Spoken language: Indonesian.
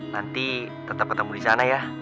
nanti tetap ketemu di sana ya